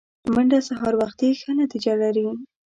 منډه سهار وختي ښه نتیجه لري